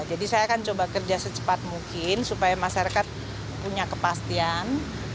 jadi saya akan coba kerja secepat mungkin supaya masyarakat punya kepastian